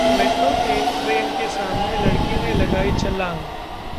metro train के सामने लड़की ने लगाई छलांग